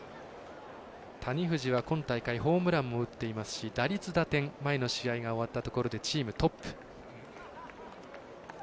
谷藤は、今大会ホームランも打っていますし打率、打点前の試合が終わったところでチームトップ。